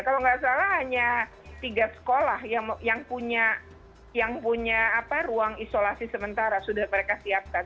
kalau nggak salah hanya tiga sekolah yang punya ruang isolasi sementara sudah mereka siapkan